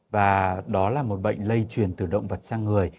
và đó là một bệnh lây truyền từ động vật sang người